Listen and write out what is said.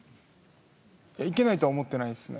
いけないとは思ってないですね。